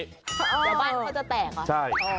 แต่บ้านเขาจะแตกอ่ะ